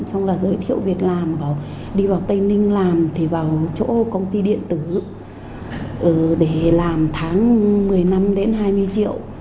xong là giới thiệu việc làm bảo đi vào tây ninh làm thì vào chỗ công ty điện tử để làm tháng một mươi năm đến hai mươi triệu